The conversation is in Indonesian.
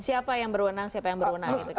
siapa yang berwenang siapa yang berwenang